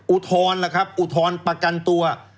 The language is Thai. อุทธรณ์ล่ะครับอุทธรณ์ประกันตัว